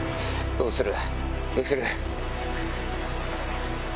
どうする？